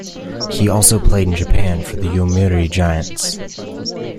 He also played in Japan for the Yomiuri Giants.